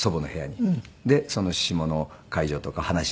でその下の介助とか話し